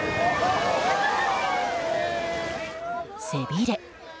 背びれ。